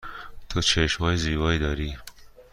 تو چشم های زیبایی داری.